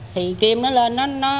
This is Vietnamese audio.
thì nguyễn kim nó lên